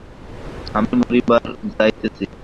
আমি মরিয়া যাইতেছি।